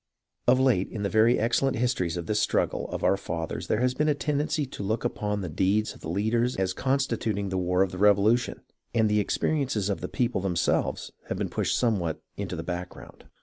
Of late in the very excellent histories of this struggle of our fathers there has been a tendency to look upon the deeds of the leaders as constituting the war of the Revolution, and the experiences of the people themselves have been pushed somewhat into the back ground.